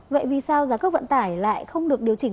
vậy vì sao giá cước vận tải lại không được điều chỉnh